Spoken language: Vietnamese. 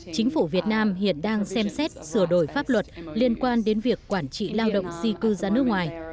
chính phủ việt nam hiện đang xem xét sửa đổi pháp luật liên quan đến việc quản trị lao động di cư ra nước ngoài